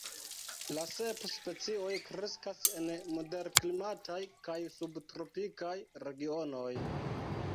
La sep specioj kreskas en moderklimataj kaj subtropikaj regionoj.